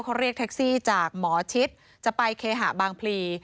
เขาเรียกแท็กซี่จากหมอชิดจะไปเคหะบางพลี